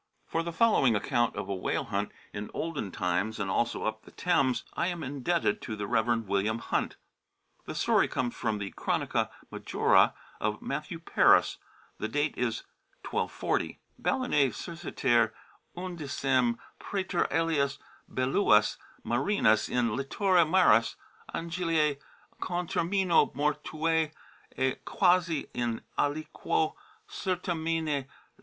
For the following account of a whale hunt in olden times, and also up the Thames, I am indebted to the Rev. William Hunt. The story comes from the Chronica Major a of Matthew Paris ; the date is 1240 :" Balaenae circiter undecim praeter alias beluas marinas in litore maris Angliae contermino mortuae, et quasi in aliquo certamine laesae